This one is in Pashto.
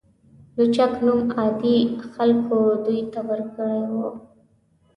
لوچک نوم عادي خلکو دوی ته ورکړی و.